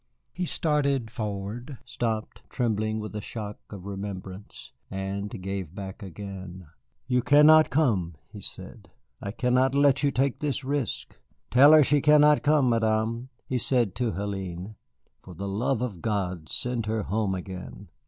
He started forward, stopped, trembling with a shock of remembrance, and gave back again. "You cannot come," he said; "I cannot let you take this risk. Tell her she cannot come, Madame," he said to Hélène. "For the love of God send her home again."